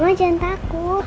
mama jangan takut